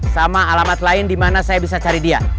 sama alamat lain di mana saya bisa cari dia